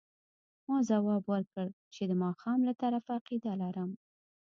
ما ځواب ورکړ چې د ماښام له طرفه عقیده لرم.